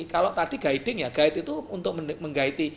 kalau tadi guiding ya guide itu untuk menggaiti